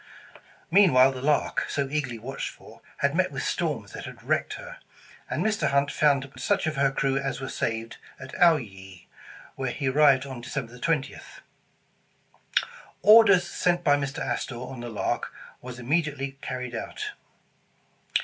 Meanwhile the Lark, so eagerly watched for, had met with storms that had wrecked her, and Mr. Hunt found such of her crew as were saved, at Owyee, where he arrived on December 20th. Orders sent by Mr. Astor 218 England's Trophy on the Lark, was immediately carried out.